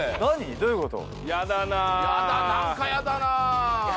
どういうこと？